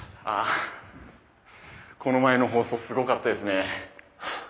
あこの前の放送すごかったですね。